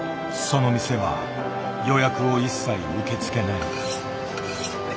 ☎その店は予約を一切受け付けない。